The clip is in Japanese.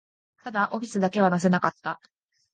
ただ、オフィスだけは乗せなかった